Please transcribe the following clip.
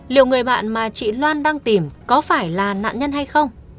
liệu người bạn mà chị loan đang tìm có phải là nạn nhân hay không